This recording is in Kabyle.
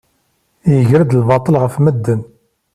Iger-d lbaṭel ɣef medden.